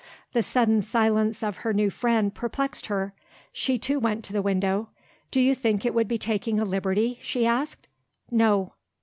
The sudden silence of her new friend perplexed her. She too went to the window. "Do you think it would be taking a liberty?" she asked. "No."